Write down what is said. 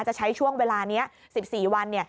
จะใช้ช่วงเวลานี้๑๔วัน